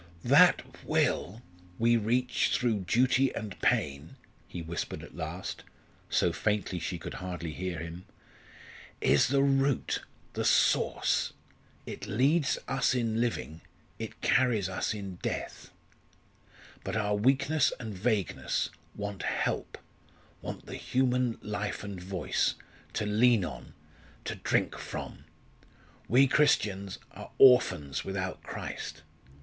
"That Will we reach through duty and pain," he whispered at last, so faintly she could hardly hear him, "is the root, the source. It leads us in living it carries us in death. But our weakness and vagueness want help want the human life and voice to lean on to drink from. We Christians are orphans without Christ!